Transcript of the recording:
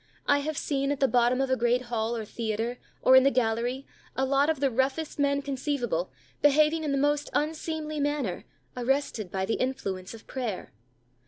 I have seen at the bottom of a great hall or theatre, or in the gallery, a lot of the roughest men conceivable, behaving in the most unseemly manner, arrested by the influence of prayer.